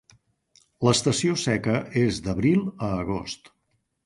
L'estació seca és d'abril a agost.